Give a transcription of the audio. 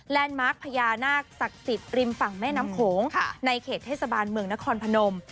แลนด์มาร์คพญานาคทรักษิตริมฝั่งแม่น้ำโขงในเขตเทศบาลเมืองนครพนม